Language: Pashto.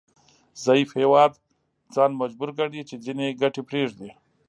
ضعیف هیواد ځان مجبور ګڼي چې ځینې ګټې پریږدي